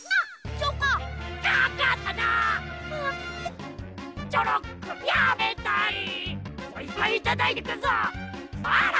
チョコタ！